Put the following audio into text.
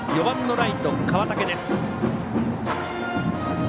４番ライト、川竹です。